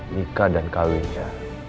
nikah dan kawinnya